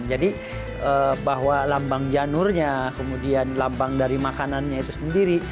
jadi bahwa lambang janurnya kemudian lambang dari makanannya itu sendiri